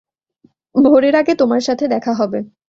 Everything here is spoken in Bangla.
ভোরের আগে তোমার সাথে দেখা হবে।